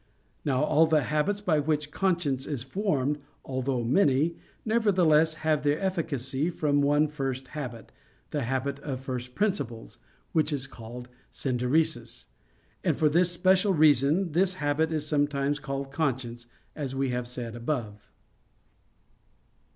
Now all the habits by which conscience is formed, although many, nevertheless have their efficacy from one first habit, the habit of first principles, which is called "synderesis." And for this special reason, this habit is sometimes called conscience, as we have said above.